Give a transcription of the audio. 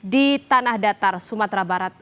di tanah datar sumatera barat